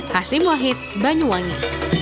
hasim wahid banyuwangi